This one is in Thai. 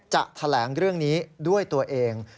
จะแถลงเรื่องนี้ด้วยตัวเอง